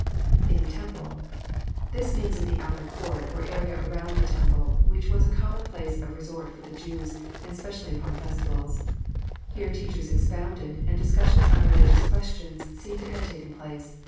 [/n the temple.'] This means in the outer court, or area around the temple, which was a common place of resort for the Jews, and specially upon festivals. Here teachers expounded, and discussions on religions questions seem to have taken place.